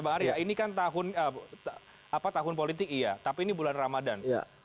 bang arya ini kan tahun politik iya tapi ini bulan ramadan